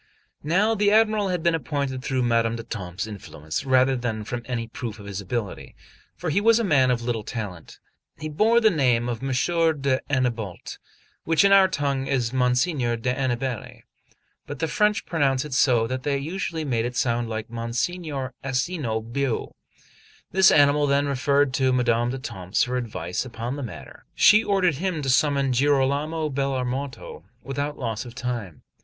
Now the Admiral had been appointed through Madame d'Etampes' influence rather than from any proof of his ability, for he was a man of little talent. He bore the name of M. d'Annebault, which in our tongue is Monsignor d'Aniballe; but the French pronounce it so that they usually made it sound like Monsignore Asino Bue. This animal then referred to Madame d'Etampes for advice upon the matter, and she ordered him to summon Girolamo Bellarmato without loss of time.